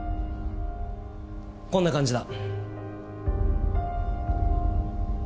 こんな感じだ。